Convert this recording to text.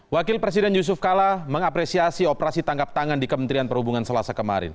wakil presiden yusuf kala mengapresiasi operasi tangkap tangan di kementerian perhubungan selasa kemarin